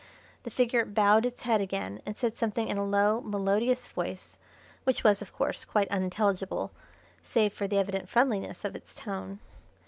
The figure bowed its head again and said something in a low, melodious voice, which was, of course, quite unintelligible save for the evident friendliness of its tone.